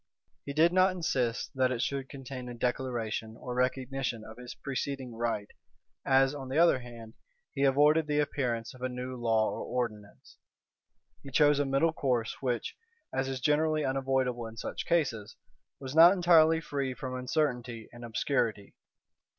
He did not insist that it should contain a declaration or recognition of his preceding right; as, on the other hand, he avoided the appearance of a new law or ordinance. He chose a middle course which, as is generally unavoidable in such cases, was not entirely free from uncertainty and obscurity.